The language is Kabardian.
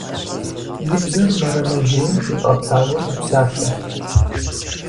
И бзэр мэрэмэжьейм къитӀэтауэ мэпсалъэ.